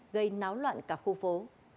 gây náo loạn cả khu phố